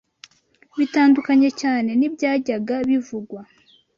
bitandukanye cyane n’ibyajyaga bivugwa